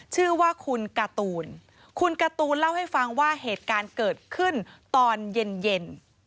ชื่อว่าคุณการ์ตูนคุณการ์ตูนเล่าให้ฟังว่าเหตุการณ์เกิดขึ้นตอนเย็นเย็น